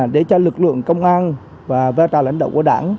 để cho lực lượng công an và vai trò lãnh đạo của đảng